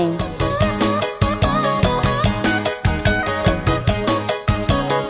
โปรดติดตามตอนต่อไป